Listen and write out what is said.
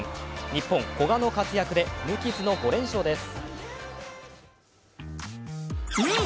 日本、古賀の活躍で無傷の５連勝です。